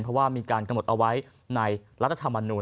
เพราะว่ามีการกำหนดเอาไว้ในรัฐธรรมนูล